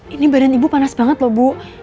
ini badan ibu panas banget loh bu